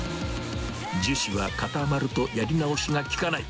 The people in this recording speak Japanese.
樹脂は固まるとやり直しが利かない。